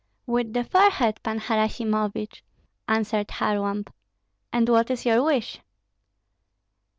"With the forehead, Pan Harasimovich," answered Kharlamp; "and what is your wish?"